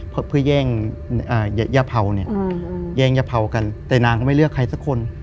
เพื่อย่างเย้าเภากันแต่นางก็ไม่เลือกใครสักคน